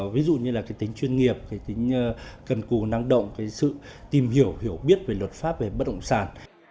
ví dụ như là tính chuyên nghiệp tính cần cù năng động sự tìm hiểu hiểu biết về luật pháp về bất hồng sản